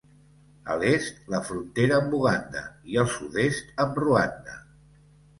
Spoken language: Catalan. A l'est fa frontera amb Uganda i al sud-est amb Ruanda.